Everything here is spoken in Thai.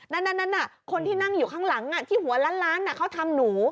นั่นคนที่นั่งอยู่ข้างหลังที่หัวล้านเขาทำหนู